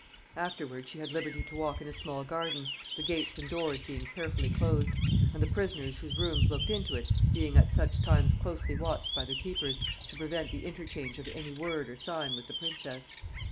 Afterwards she had liberty to walk in a small garden, the gates and doors being carefully closed; and the prisoners whose rooms looked into it being at such times closely watched by their keepers, to prevent the interchange of any word or sign with the princess.